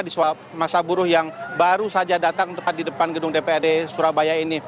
di masa buruh yang baru saja datang tepat di depan gedung dprd surabaya ini